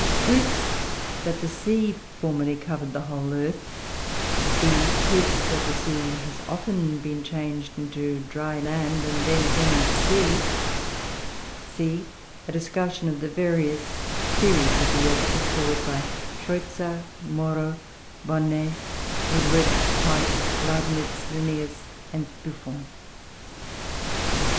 Proofs that the sea formerly covered the whole earth. B. Proofs that the sea has often been changed into dry land and then again into sea. C. A discussion of the various theories of the earth put forward by Scheuchzer, Moro, Bonnet, Woodward, White, Leibnitz, Linnaeus, and Buffon.